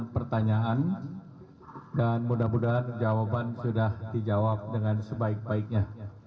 sembilan pertanyaan dan mudah mudahan jawaban sudah dijawab dengan sebaik baiknya